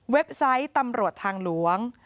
ไซต์ตำรวจทางหลวง